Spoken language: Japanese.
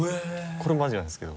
これマジなんですけど。